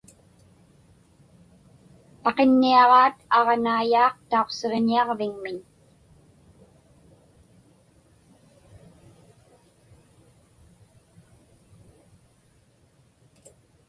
Paqinniaġaat aġnaiyaaq tauqsiġñiaġviŋmiñ.